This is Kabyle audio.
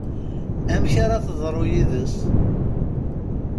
Amek ara teḍru yid-s?